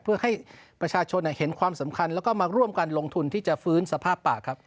เพื่อให้ประชาชนเห็นความสำคัญแล้วก็มาร่วมกันลงทุนที่จะฟื้นสภาพป่าครับ